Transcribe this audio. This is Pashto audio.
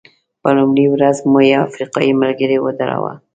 په لومړۍ ورځ مو یو افریقایي ملګری ودراوه.